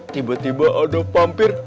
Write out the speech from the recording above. tiba tiba ada pampir